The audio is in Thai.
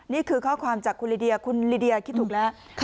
นี่คือข้อความจากคุณลิเดียคุณลิเดียคิดถูกแล้ว